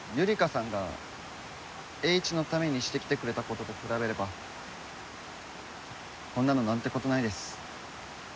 さんがエーイチのためにしてきてくれたことと比べればこんなのなんてことないです